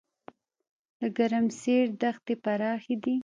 د ګرمسیر دښتې پراخې دي